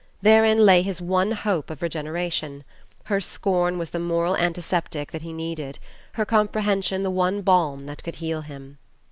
Therein lay his one hope of regeneration; her scorn was the moral antiseptic that he needed, her comprehension the one balm that could heal him....